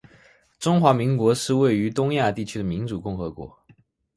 中华民国是位于东亚地区的民主共和国